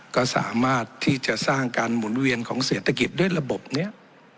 ก็สามารถที่จะสร้างการหมุนเวียนของเศรษฐกิจด้วยระบบนี้